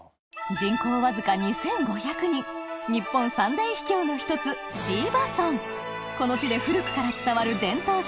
人口わずか２５００人日本３大秘境の１つこの地で古くから伝わる伝統食